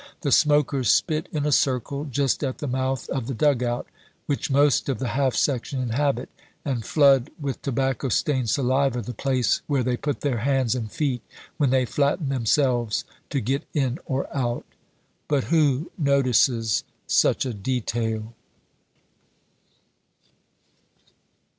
The smokers spit in a circle, just at the mouth of the dug out which most of the half section inhabit, and flood with tobacco stained saliva the place where they put their hands and feet when they flatten themselves to get in or out. But who notices such a detail?